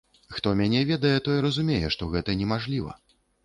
Хто мяне ведае, той разумее, што гэта немажліва.